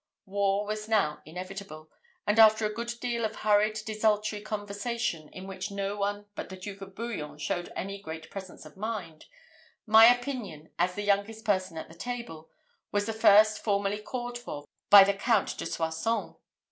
War was now inevitable; and, after a good deal of hurried, desultory conversation, in which no one but the Duke of Bouillon showed any great presence of mind, my opinion, as the youngest person at the table, was the first formally called for by the Count de Soissons.